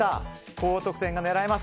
高得点が狙えます。